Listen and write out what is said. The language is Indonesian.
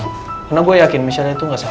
karena gue yakin michelle itu gak salah